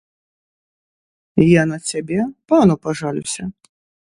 Я на цябе пану пажалюся.